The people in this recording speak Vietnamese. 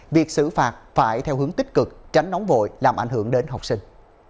việc xử phạt phải theo hướng tích cực tránh nóng vội làm ảnh hưởng đến học sinh